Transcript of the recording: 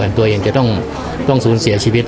ตัวเองจะต้องสูญเสียชีวิต